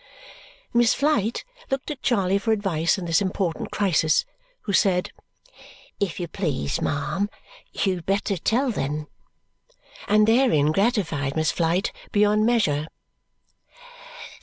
Miss Flite looked at Charley for advice in this important crisis, who said, "If you please, ma'am, you had better tell then," and therein gratified Miss Flite beyond measure.